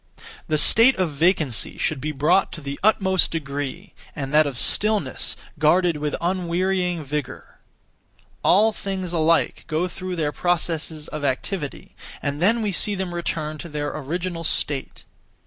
The (state of) vacancy should be brought to the utmost degree, and that of stillness guarded with unwearying vigour. All things alike go through their processes of activity, and (then) we see them return (to their original state).